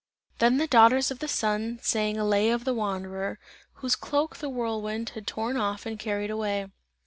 Then the daughters of the Sun sang a lay of the wanderer, whose cloak the whirlwind had torn off and carried away.